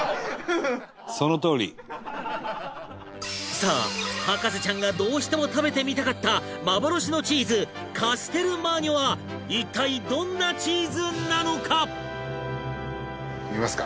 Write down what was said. さあ博士ちゃんがどうしても食べてみたかった幻のチーズカステルマーニョは一体どんなチーズなのか？